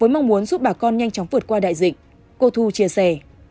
mong muốn giúp bà con nhanh chóng vượt qua đại dịch cô thu chia sẻ